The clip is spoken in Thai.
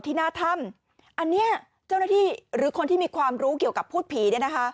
ที่หน้าถ้ำอันเนี่ยเจ้าหน้าที่เป็นคนที่มีความรู้เกี่ยวกับพูดผี